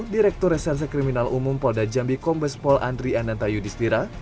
direktur resense kriminal umum kapolda jambi kombespor andri anantayudistira